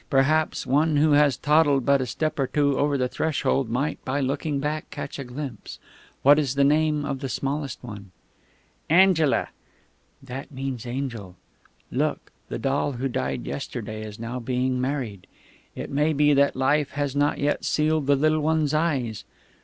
Perhaps one who has toddled but a step or two over the threshold might, by looking back, catch a glimpse.... What is the name of the smallest one?" "Angela." "That means 'angel'... Look, the doll who died yesterday is now being married.... It may be that Life has not yet sealed the little one's eyes.